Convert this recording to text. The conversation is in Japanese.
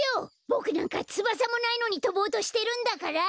ボクなんかつばさもないのにとぼうとしてるんだから！